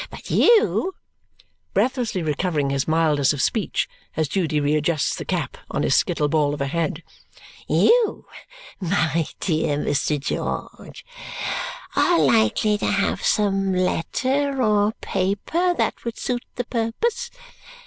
But you," breathlessly recovering his mildness of speech as Judy re adjusts the cap on his skittle ball of a head, "you, my dear Mr. George, are likely to have some letter or paper that would suit the purpose.